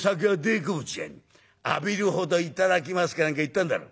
『浴びるほど頂きます』か何か言ったんだろ」。